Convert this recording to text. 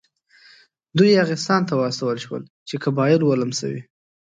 دوی یاغستان ته واستول شول چې قبایل ولمسوي.